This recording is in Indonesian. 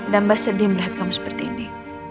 dan mbak sedih melihat kamu seperti ini